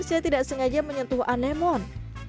saya tidak sengaja menyentuh anemon